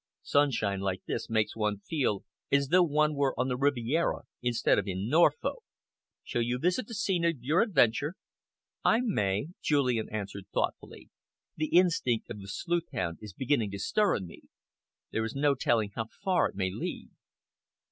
"Sunshine like this makes one feel as though one were on the Riviera instead of in Norfolk. Shall you visit the scene of your adventure?" "I may," Julian answered thoughtfully. "The instinct of the sleuthhound is beginning to stir in me. There is no telling how far it may lead."